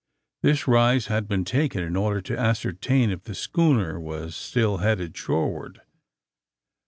. This rise had been taken in order to ascer tain if the schooner was still headed shoreward.